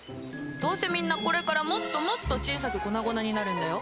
どうせみんなこれからもっともっと小さく粉々になるんだよ。